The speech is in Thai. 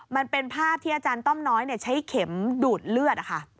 มันเป็นภาพที่อาจารย์ต้อมน้อยใช้เข็มดูดเลือด